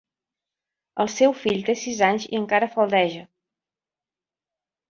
El seu fill té sis anys i encara faldeja.